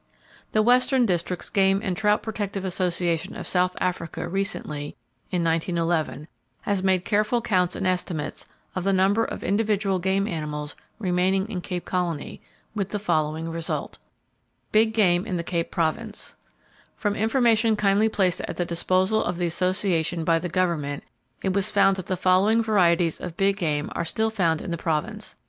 [Page 185] The Western Districts Game and Trout Protective Association of South Africa recently, (1911), has made careful counts and estimates of the number of individual game animals remaining in Cape Colony, with the following result: Big Game In The Cape Province From information kindly placed at the disposal of the Association by the Government, it was found that the following varieties of big game are still found in the Province.